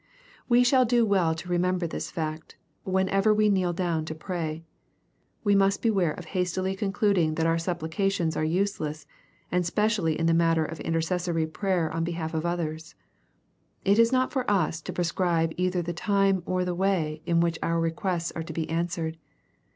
We shall do well to remember this fact, whenever we kneel down to pray. We must beware of hastily con cluding that our supplications are useless, and specially in the matter of intercessory prayer in behalf of others. It is not for us to prescribe either the time or the way in which our requests are to be answered.